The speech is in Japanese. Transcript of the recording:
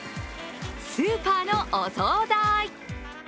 スーパーのお総菜。